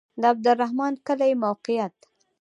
د عبدالرحمن کلی موقعیت